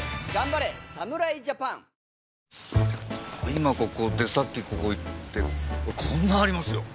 今ここでさっきここ行ってこんなにありますよ！